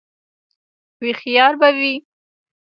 _هوښيار به وي؟